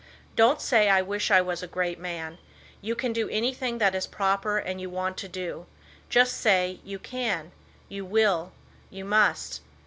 Don't say I wish I was a great man. You can do anything that is proper and you want to do. Just say: You can. You will. You must.